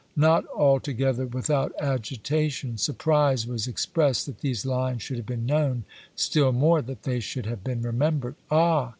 Not altogether without agitation, surprise was expressed that these lines should have been known, still more that they should have been remembered. "Ah!"